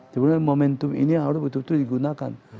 sebenarnya momentum ini harus betul betul digunakan